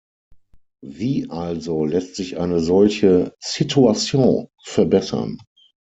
Wie also lässt sich eine solche Situation verbessern?